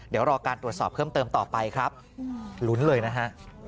เดี๋ยวรอการตรวจสอบเพิ่มเติมต่อไปครับลุ้นเลยนะฮะ